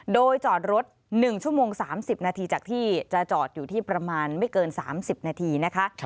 โดยจอดรถ๑ชั่วโมง๓๐นาทีจากที่จะจอดอยู่ที่ประมาณไม่เกิน๓๐นาทีนะคะ